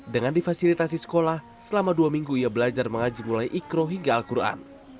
dengan difasilitasi sekolah selama dua minggu ia belajar mengaji mulai ikro hingga al quran